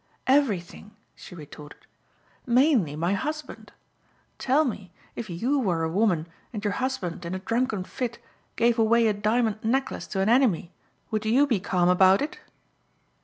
"Everything," she retorted. "Mainly my husband. Tell me, if you were a woman and your husband, in a drunken fit, gave away a diamond necklace to an enemy would you be calm about it?"